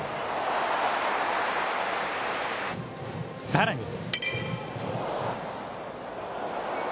さらに。